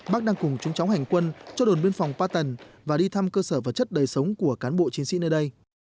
bác đang cùng chúng cháu hành quân cho đồn biên phòng pa tần và đi thăm cơ sở vật chất đời sống của cán bộ chiến sĩ nơi đây